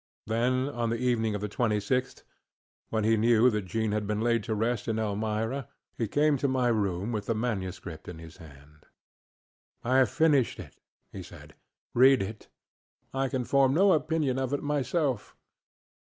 Then on the evening of the 26th, when he knew that Jean had been laid to rest in Elmira, he came to my room with the manuscript in his hand. ŌĆ£I have finished it, ŌĆØ he said; ŌĆ£read it. I can form no opinion of it myself.